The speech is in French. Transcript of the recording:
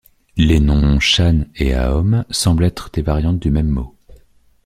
Les noms Shan et A-hom semblent être des variantes du même mot.